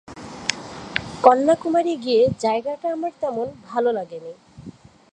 কন্যাকুমারী গিয়ে জায়গাটা আমার তেমন ভালো লাগেনি।